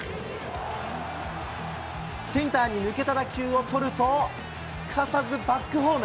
センターに抜けた打球をとると、すかさずバックホーム。